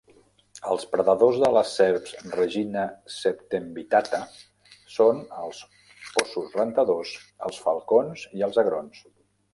Els predadors de les serps Regina septemvittata són els óssos rentadors, els falcons i els agrons.